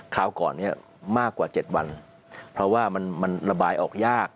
คราวก่อนเนี่ยมากกว่า๗วันเพราะว่ามันระบายออกยาก